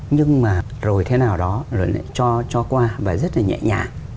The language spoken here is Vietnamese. nhưng mà rồi thế nào đó rồi lại cho cho qua và rất là nhẹ nhàng